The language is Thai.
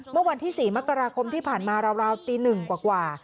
เมื่อวันที่๔มกราคมที่ผ่านมาราวตี๑กว่า